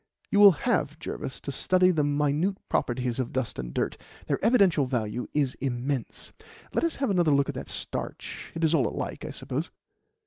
"You will have, Jervis, to study the minute properties of dust and dirt. Their evidential value is immense. Let us have another look at that starch; it is all alike, I suppose."